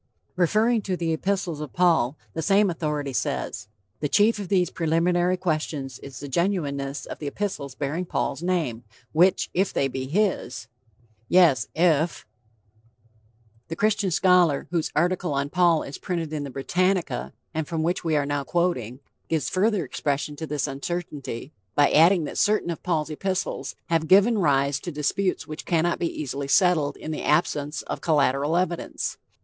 Referring to the epistles of Paul, the same authority says: "The chief of these preliminary questions is the genuineness of the epistles bearing Paul's name, which if they be his" yes, IF The Christian scholar whose article on Paul is printed in the Britannica, and from which we are now quoting, gives further expression to this uncertainty by adding that certain of Paul's epistles "have given rise to disputes which cannot easily be settled in the absence of collateral evidence...